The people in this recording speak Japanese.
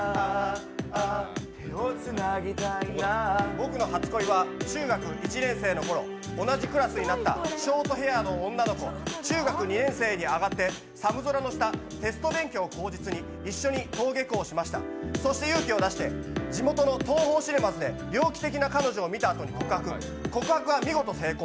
僕の初恋は中学１年生のころ同じクラスになったショートヘアの女の子中学２年生に上がって、寒空の下、テスト勉強を口実に、一緒に登下校しました、そして勇気を出して地元のＴＯＨＯシネマズで「猟奇的な彼女」を見たあとに告白は見事、成功。